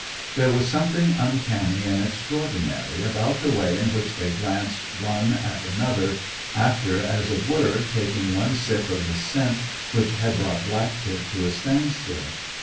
There was something uncanny and extraordinary about the way in which they glanced one at another, after, as it were, taking one sip of the scent which had brought Black tip to a standstill.